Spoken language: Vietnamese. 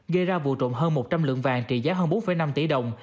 gây ra vụ trộm hơn một trăm linh lượng vàng trị giá hơn bốn năm tỷ đồng